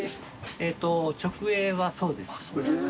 えっと直営はそうです。